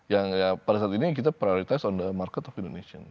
yang ya pada saat ini yang kita prioritas on the market of indonesian